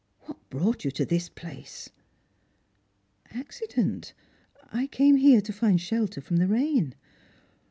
" What brought you to this place ?"" Accident. I came here to find shelter from the rain."